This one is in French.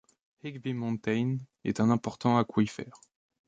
Higby Mountain est un important aquifère.